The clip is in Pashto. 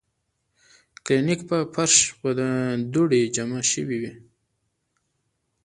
د کلینک پۀ فرش به دوړې جمع شوې وې ـ